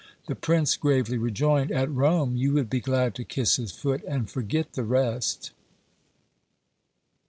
The prince gravely rejoined: "At Rome you would be glad to kiss his foot and forget the rest."